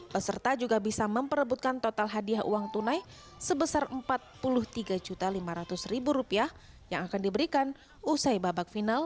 peserta juga bisa memperebutkan total hadiah uang tunai sebesar rp empat puluh tiga lima ratus yang akan diberikan usai babak final